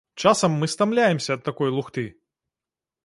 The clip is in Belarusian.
Часам мы стамляемся ад такой лухты!